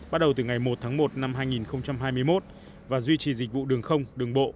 bắt đầu từ ngày một tháng một năm hai nghìn hai mươi một và duy trì dịch vụ đường không đường bộ